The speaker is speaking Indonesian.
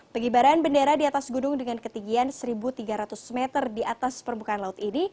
pengibaran bendera di atas gunung dengan ketinggian satu tiga ratus meter di atas permukaan laut ini